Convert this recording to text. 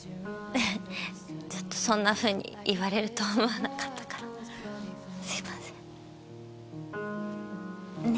ちょっとそんなふうに言われると思わなかったからすいませんね